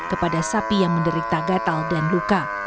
kepada sapi yang menderita gatal dan luka